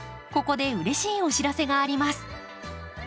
ここでうれしいお知らせがあります。